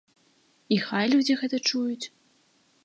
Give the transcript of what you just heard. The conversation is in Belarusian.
І хай людзі гэта чуюць!